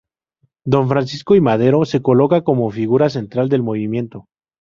Don Francisco I. Madero, se coloca como figura central del movimiento.